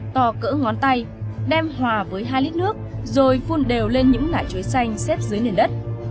tò cỡ ngón tay đem hòa với hai lít nước rồi phun đều lên những nạ chuối xanh xếp dưới nền đất